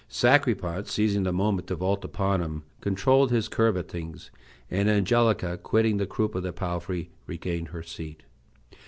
Sacripant, seizing the moment to vault upon him, controlled his curvetings, and Angelica, quitting the croup of the palfrey, regained her seat.